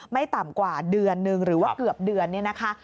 ไม่ต่ำกว่าเดือนนึงหรือว่าเกือบเดือนเนี่ยนะคะ